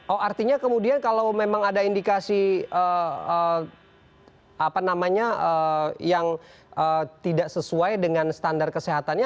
oh artinya kemudian kalau memang ada indikasi yang tidak sesuai dengan standar kesehatannya